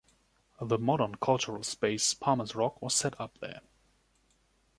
The modern cultural space Palmer’s Rock was set up there.